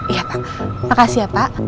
iya pak makasih ya pak